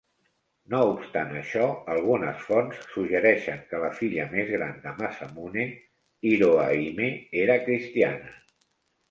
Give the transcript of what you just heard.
No obstant això, algunes fonts suggereixen que la filla més gran de Masamune, Irohahime, era cristiana.